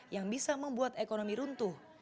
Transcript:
yang bisa membuat ekonomi runtuh